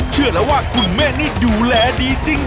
เชื่อแล้วว่าคุณแม่นิดดูแลดีจริง